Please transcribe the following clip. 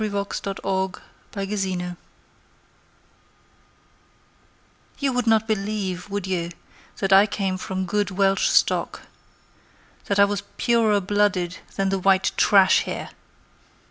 "Indignation" Jones You would not believe, would you That I came from good Welsh stock? That I was purer blooded than the white trash here?